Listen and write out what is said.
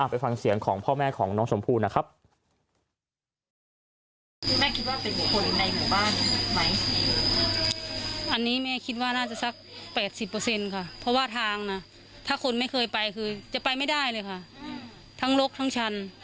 ไปฟังเสียงของพ่อแม่ของน้องชมพู่นะครับ